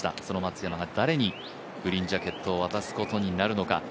その松山が誰にグリーンジャケットを渡すことになるのか。